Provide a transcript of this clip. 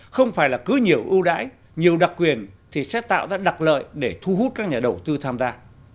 không phải là cứ nhiều ưu đãi nhiều đặc quyền thì sẽ tạo ra đặc lợi để thu hút các nhà đầu tư tham gia